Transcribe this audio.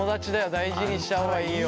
大事にした方がいいよ。